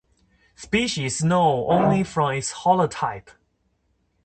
Species known only from its holotype.